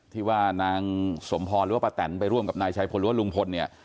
ที่ว่านางสมพรหรือว่าป้าแตนไปร่วมกับนายชายพลหรือว่าลุงพลเนี่ย